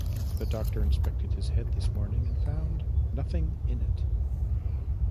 The doctor inspected his head this morning and found nothing in it.